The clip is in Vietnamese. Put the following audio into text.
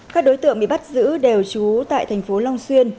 các đối tượng bị bắt giữ đều trú tại thành phố long xuyên